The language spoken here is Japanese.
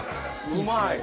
うまい！